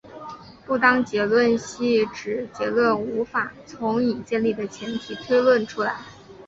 不当结论系指结论无法从已建立的前提推论出来。